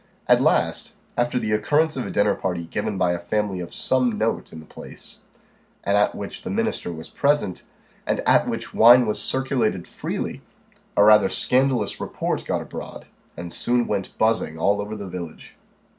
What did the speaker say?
At last, after the occurrence of a dinner party given by a family of some note in the place, and at which the minister was present, and at which wine was circulated freely, a rather scandalous report got abroad, and soon went buzzing all over the village.